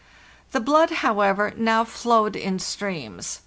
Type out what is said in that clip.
The blood, however, now flowed in streams.